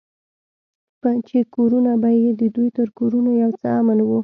چې کورونه به يې د دوى تر کورونو يو څه امن وو.